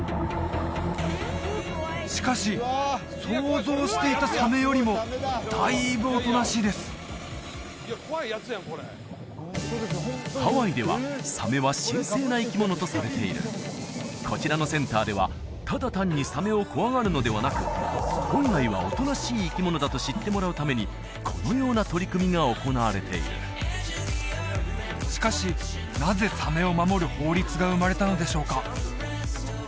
しかし想像していたサメよりもだいぶおとなしいですハワイではサメは神聖な生き物とされているこちらのセンターではただ単にサメを怖がるのではなく本来はおとなしい生き物だと知ってもらうためにこのような取り組みが行われているしかしなぜサメを守る法律が生まれたのでしょうか？